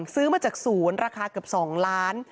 ซื้อมาจากศูนย์ราคาเกือบ๒ล้าน